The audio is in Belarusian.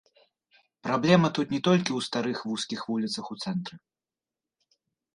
Праблема тут не толькі ў старых вузкіх вуліцах у цэнтры.